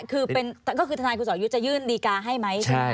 คือทางนายคุณสอยุจะยื่นดีกาให้ไหมใช่ไหม